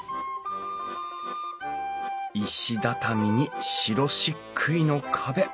石畳に白しっくいの壁。